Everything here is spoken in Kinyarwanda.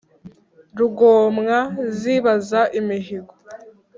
Rugomwa zibaza imihigo,